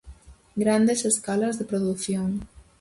Grandes escalas de produción.